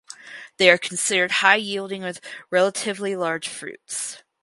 They are considered high yielding with relatively large fruits.